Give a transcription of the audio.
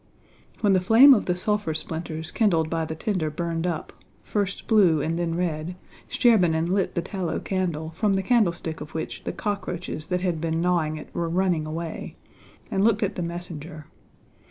When the flame of the sulphur splinters kindled by the tinder burned up, first blue and then red, Shcherbínin lit the tallow candle, from the candlestick of which the cockroaches that had been gnawing it were running away, and looked at the messenger.